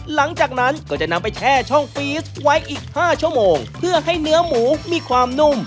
หลังจากนั้นก็จะนำไปแช่ช่องฟีสไว้อีกห้าชั่วโมงเพื่อให้เนื้อหมูมีความนุ่ม